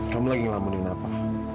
kamu lagi ngelamunin apa